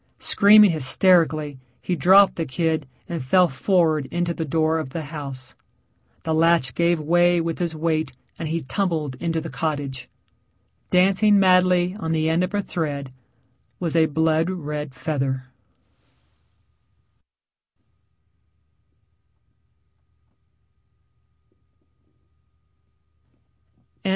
Screaming hysterically he dropped the kid and fell forward into the door of the house. The latch gave way with his weight and he tumbled into the cottage. Dancing madly on the end of a thread was a blood red feather.